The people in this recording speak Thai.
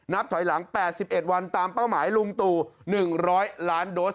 นับถอยหลังแปดสิบเอ็ดวันตามเป้าหมายลุงตู่หนึ่งร้อยล้านโดส